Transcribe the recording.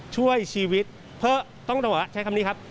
ช่วยชีวิตเพิ่มต้องใช้คำนี้ครับ